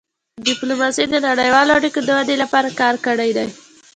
ډيپلوماسي د نړیوالو اړیکو د ودې لپاره کار کړی دی.